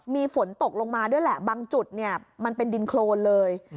มีฝนตกลงมาด้วยแหละบางจุดเนี่ยมันเป็นดินโครนเลย